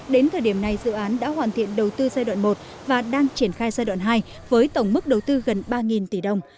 đến thời điểm này dự án đã hoàn thiện đầu tư giai đoạn một và đang triển khai giai đoạn hai với tổng mức đầu tư gần ba tỷ đồng